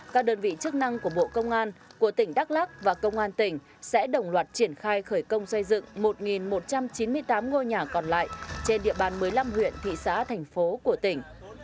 các đơn vị chức năng của bộ công an của tỉnh đắk lắc và công an tỉnh sẽ đồng loạt triển khai khởi công xây dựng một một trăm chín mươi tám ngôi nhà còn lại trên địa bàn một mươi năm huyện thị xã thành phố của tỉnh